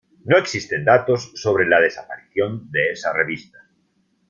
No existen datos sobre la desaparición de esa revista.